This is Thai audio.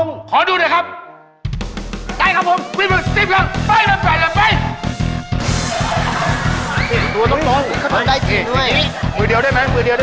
มีมือเดี๋ยวได้ไหมมีมือเดี๋ยวได้ไหม